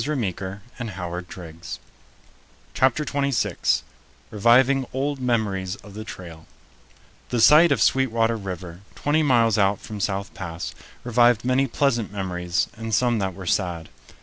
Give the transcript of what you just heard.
] CHAPTER TWENTY SIX REVIVING OLD MEMORIES OF THE TRAIL THE sight of Sweetwater River, twenty miles out from South Pass, revived many pleasant memories and some that were sad.